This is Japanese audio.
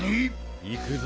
行くぞ。